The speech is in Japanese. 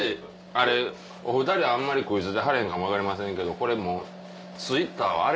あれお２人あんまり食い付いてはれへんかも分かりませんけどこれもう。